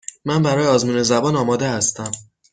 من برای آزمون زبان آماده هستم.